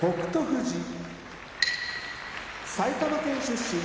富士埼玉県出身